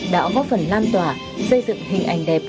đã góp phần lan tỏa xây dựng hình ảnh đẹp